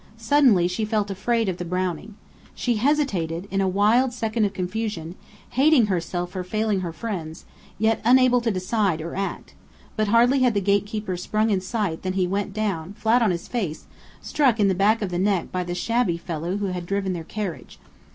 Suddenly she felt afraid of the Browning. She hesitated, in a wild second of confusion, hating herself for failing her friends, yet unable to decide or act: but hardly had the gatekeeper sprung in sight than he went down, flat on his face, struck in the back of the neck by the shabby fellow who had driven their carriage.